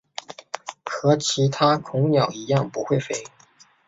和其他恐鸟一样不会飞。